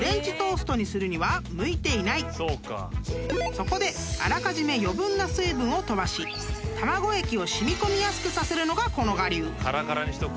［そこであらかじめ余分な水分を飛ばし卵液を染み込みやすくさせるのがこの我流］